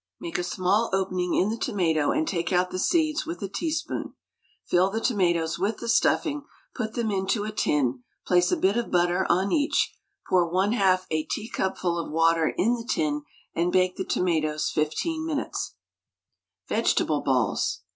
Make a small opening in the tomato and take out the seeds with a teaspoon; fill the tomatoes with the stuffing, put them into a tin, place a bit of butter on each, pour 1/2 a teacupful of water in the tin, and bake the tomatoes 15 minutes. VEGETABLE BALLS.